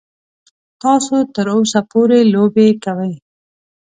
تاسو تر اوسه پورې لوبې کوئ.